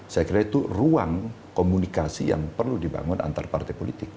saya kira itu ruang komunikasi yang perlu dibangun antar partai politik